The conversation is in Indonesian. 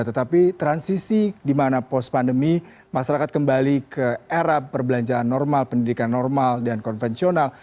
tetapi transisi di mana post pandemi masyarakat kembali ke era perbelanjaan normal pendidikan normal dan konvensional